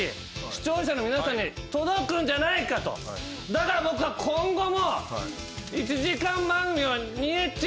だから僕は今後も。